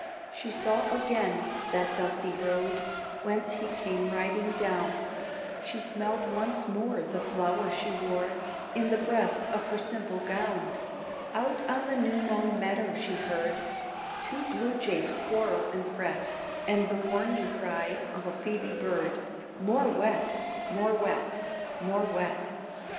She saw again that dusty road Whence he came riding down; She smelled once more the flower she wore In the breast of her simple gown. Out on the new mown meadow she heard Two blue jays quarrel and fret, And the warning cry of a Phoebe bird "More wet, more wet, more wet."